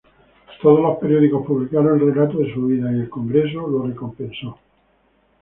Todos los periódicos publicaron el relato de su huida y el Congreso lo recompensó.